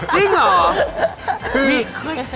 จริงเหรอ